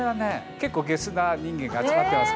結構ゲスな人間が集まってますから。